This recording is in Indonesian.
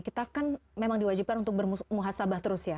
kita kan memang diwajibkan untuk bermuhasabah terus ya